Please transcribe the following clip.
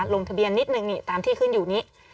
ลงทะเบียนนิดนึงนี่ตามที่ขึ้นอยู่นี้